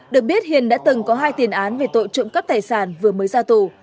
được biết hình đã từng có hai tiền án về tội trộm cấp tài sản vừa mới ra tù